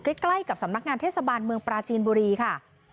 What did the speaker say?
ใกล้กับสำนักงานเทศบาลเมืองปราจีนบุรีค่ะ